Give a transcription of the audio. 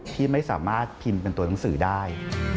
ที่ไม่สามารถพิมพ์เป็นตัวหนังสือได้